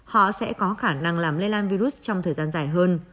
họ sẽ có khả năng làm lây lan virus trong thời gian dài hơn